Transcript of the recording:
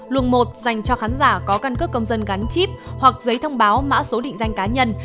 luồng một dành cho khán giả có căn cước công dân gắn chip hoặc giấy thông báo mã số định danh cá nhân